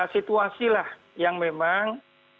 situasilah yang memang